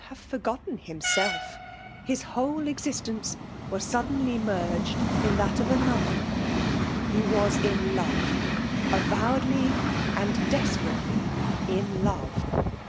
7 bsve £tfgotte& himMelf; Lis iriide ezistenoe w foddenlj merged in that of another; ke was in love, avowedly and desperately in love.